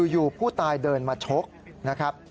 อยู่ผู้ตายเดินมาชกนะครับ